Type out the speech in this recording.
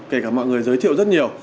kể cả mọi người giới thiệu rất nhiều